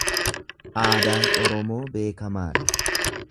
Aadaan Oromoo beekkamaa dha.